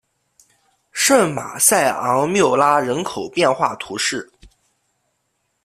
圣马塞昂缪拉人口变化图示